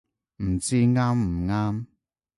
唔知啱唔啱